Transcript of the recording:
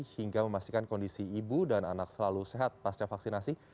hingga memastikan kondisi ibu dan anak selalu sehat pasca vaksinasi